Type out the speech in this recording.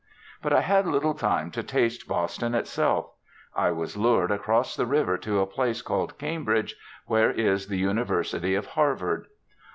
But I had little time to taste Boston itself. I was lured across the river to a place called Cambridge, where is the University of Harvard.